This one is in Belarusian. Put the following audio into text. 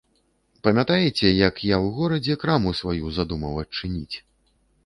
Памятаеце, як я ў горадзе краму сваю задумаў адчыніць?